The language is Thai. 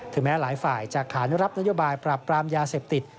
แม้หลายฝ่ายจะขานุรับนโยบายปราบปรามยาเสพติด